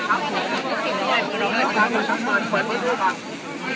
ที่ต้องการขอคำแม่ของน้องแอ๋มนะครับ